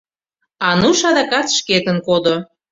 Ануш адакат шкетын кодо.